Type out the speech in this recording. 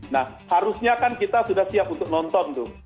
nah harusnya kan kita sudah siap untuk nonton tuh